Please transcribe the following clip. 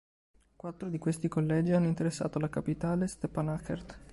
Quattro di questi collegi hanno interessato la capitale Step'anakert.